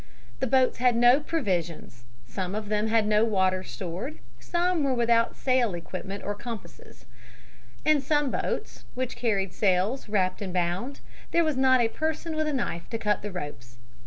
The boats had no provisions, some of them had no water stored, some were without sail equipment or compasses. In some boats, which carried sails wrapped and bound, there was not a person with a knife to cut the ropes.